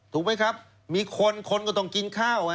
ถูกไหมครับมีคนคนก็ต้องกินข้าว